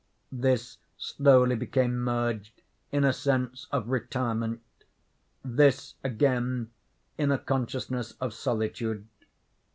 This slowly became merged in a sense of retirement—this again in a consciousness of solitude.